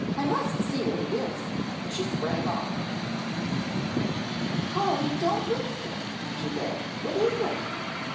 "I must see what it is," and she sprang off. "Polly, don't look so," she begged. "What is it?"